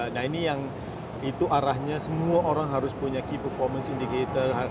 nah ini yang itu arahnya semua orang harus punya key performance indicator